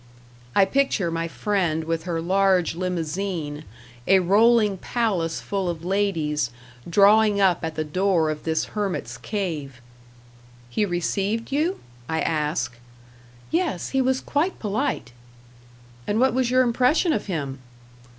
I picture my friend with her large limousine, a rolling palace full of ladies, drawing up at the door of this hermit's cave. "He received you?" I ask. "Yes, he was quite polite." "And what was your impression of him?"